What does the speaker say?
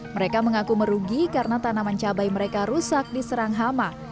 mereka mengaku merugi karena tanaman cabai mereka rusak diserang hama